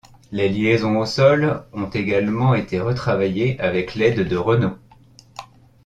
Les liaisons au sol ont également été retravaillées avec l'aide de Renault.